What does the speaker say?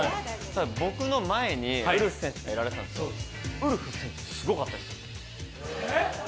僕の前にウルフ選手がやられてたんですけどウルフ選手、すごかったです。